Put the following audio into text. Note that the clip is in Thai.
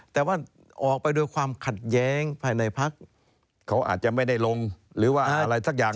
แต่ว่าออกไปด้วยความขัดแย้งภายในพักเขาอาจจะไม่ได้ลงหรือว่าอะไรสักอย่าง